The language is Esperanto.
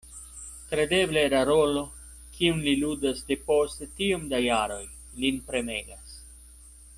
Kredeble la rolo, kiun li ludas depost tiom da jaroj, lin premegas.